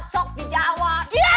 sok di jawa